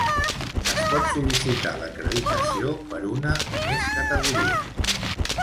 Es pot sol·licitar l'acreditació per una o més categories.